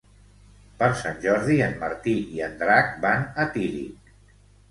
Per Sant Jordi en Martí i en Drac van a Tírig.